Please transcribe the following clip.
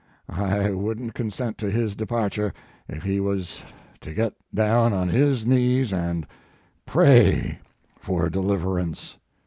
I wouldn t consent to his departure, if he was to get down on his knees and pray for deliverance."